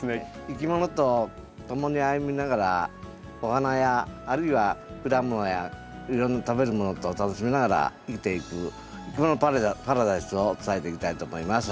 いきものと共に歩みながらお花やあるいは果物やいろんな食べる物とを楽しみながら生きていくいきものパラダイスを伝えていきたいと思います。